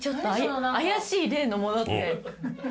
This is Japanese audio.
怪しい例のものって。